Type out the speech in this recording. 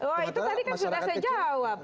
oh itu tadi kan sudah saya jawab